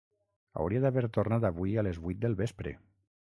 Hauria d’haver tornat avui a les vuit del vespre.